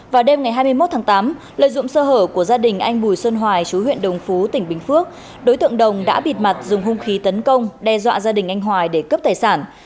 vào đêm ngày hai mươi một tháng tám lợi dụng sơ hở của gia đình anh bùi xuân hoài chú huyện đồng phú tỉnh bình phước đối tượng đồng đã bịt mặt dùng hung khí tấn công đe dọa gia đình anh hoài để cướp tài sản